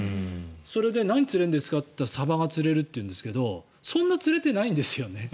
それで何が釣れるんですかと言ったらサバが釣れるっていうんですけどそんな釣れてないんですよね。